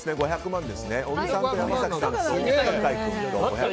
５００万ですね。